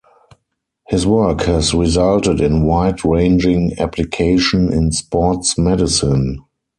His work has resulted in wide-ranging application in sports medicine.